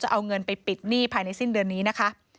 เอาเงินไปปิดหนี้ภายในสิ้นเดือนนี้นะคะ